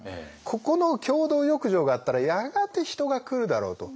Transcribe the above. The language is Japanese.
ここの共同浴場があったらやがて人が来るだろうと。